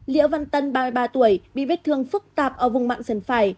liễu văn tân ba mươi ba tuổi bị vết thương phức tạp ở vùng mạng sân phải